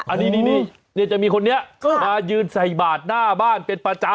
อันนี้จะมีคนนี้มายืนใส่บาทหน้าบ้านเป็นประจำ